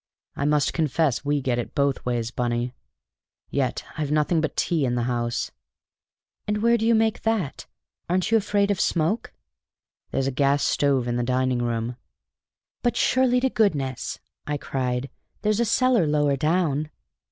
I must confess we get it both ways, Bunny. Yet I've nothing but tea in the house." "And where do you make that? Aren't you afraid of smoke?" "There's a gas stove in the dining room." "But surely to goodness," I cried, "there's a cellar lower down!"